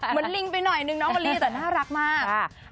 เหมือนลิงไปหน่อยนึงน้องวลีแต่น่ารักมาก